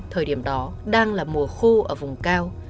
thời điểm đó đang là mùa khô ở vùng cao